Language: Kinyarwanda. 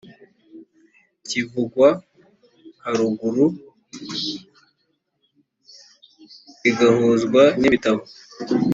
kivugwa haruguru rigahuzwa n’ibitabo